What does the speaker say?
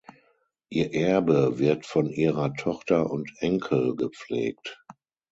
Ihr Erbe wird von ihrer Tochter und Enkel gepflegt.